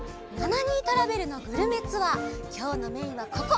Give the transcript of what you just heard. トラベルのグルメツアーきょうのメインはここ！